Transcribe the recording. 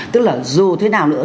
tức là dù thế nào nữa